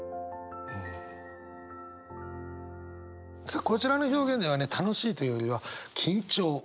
さあこちらの表現ではね楽しいっていうよりは緊張。